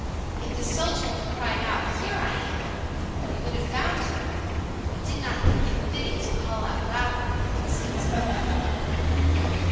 If the Soldier had cried out, "Here I am!" they would have found him; but he did not think it fitting to call out loudly, because he was in uniform.